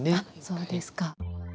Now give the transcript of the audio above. そうですか。